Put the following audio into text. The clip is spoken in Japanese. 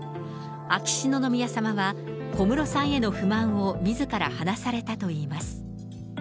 秋篠宮さまは、小室さんへの不満をみずから話されたといいます。